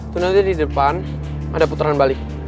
tuh nanti di depan ada puteran bali